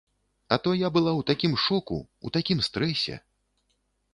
А то я была ў такім шоку, у такім стрэсе.